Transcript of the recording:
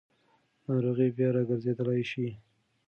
ناروغي بیا راګرځېدای شي.